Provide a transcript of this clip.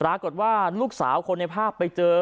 ปรากฏว่าลูกสาวคนในภาพไปเจอ